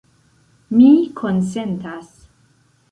Mi konsentas.